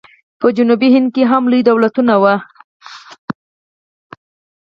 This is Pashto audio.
په جنوبي هند کې هم لوی دولتونه وو.